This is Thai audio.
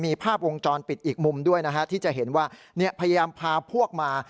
มีภาพวงจรปิดอีกมุมด้วยนะฮะที่จะเห็นว่าพยายามพาพวกมา